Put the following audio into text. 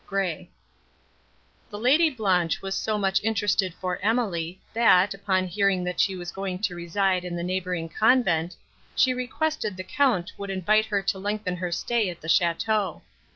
GRAY The Lady Blanche was so much interested for Emily, that, upon hearing she was going to reside in the neighbouring convent, she requested the Count would invite her to lengthen her stay at the château.